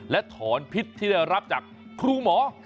และถอนพิษที่ได้รับจากครูหมอ